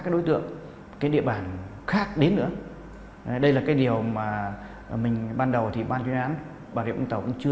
điều này giúp bà rịa vũng tàu